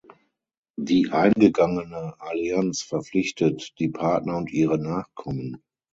Die eingegangene Allianz verpflichtet die Partner und ihre Nachkommen.